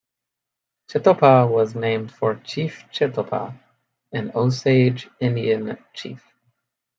Chetopa was named for Chief Chetopah, an Osage Indian chief.